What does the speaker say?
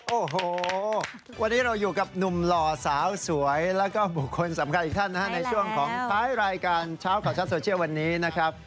โอ้โหวันนี้เราอยู่กับหนุ่มหล่อสาวสวยแล้วก็บุคคลสำคัญอีกท่านนะฮะในช่วงของท้ายรายการเช้าข่าวชัดโซเชียลวันนี้นะครับ